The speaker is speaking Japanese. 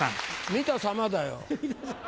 見たさまだよ。